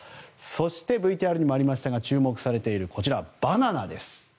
そしてＶＴＲにもありましたが注目されているバナナです。